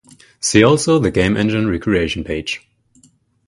See also the Game engine recreation page.